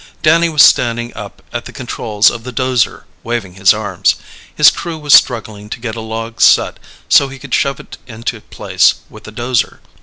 Danny was standing up at the controls of the 'dozer, waving his arms. His crew was struggling to get a log set so he could shove it into place with the 'dozer.